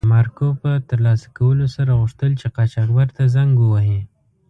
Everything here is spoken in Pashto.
د مارکو په تر لاسه کولو سره غوښتل چې قاچاقبر ته زنګ و وهي.